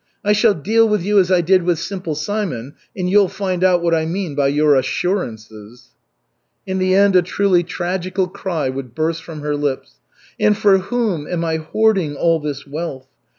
I shall deal with you as I did with Simple Simon, and you'll find out what I mean by your 'assurances'!" In the end a truly tragical cry would burst from her lips. "And for whom am I hoarding all this wealth?